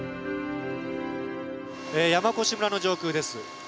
山古志村の上空です。